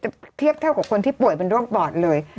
เทียบเท่ากับคนที่ป่วยเป็นโรคปอดเลย